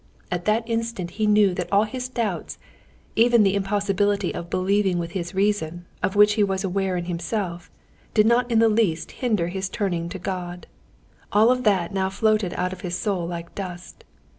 At that instant he knew that all his doubts, even the impossibility of believing with his reason, of which he was aware in himself, did not in the least hinder his turning to God. All of that now floated out of his soul like dust.